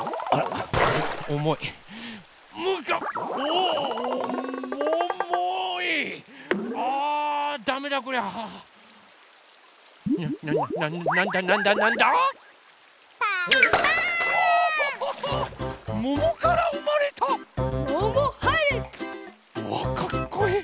うわかっこいい！